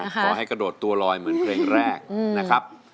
ขอให้กระโดดตัวลอยเหมือนเพลงแรกนะครับ